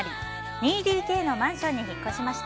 ２ＤＫのマンションに引っ越しました。